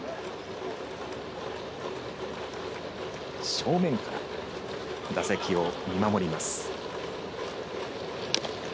正面から打席を見守ります。